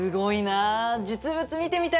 実物見てみたいな！